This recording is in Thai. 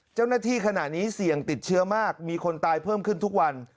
เจ้าหน้าที่ขณะนี้เสี่ยงติดเชื้อมากมีคนตายเพิ่มขึ้นทุกวัน